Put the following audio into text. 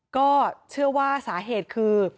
ก็เชื่อว่าสาเหตุคือ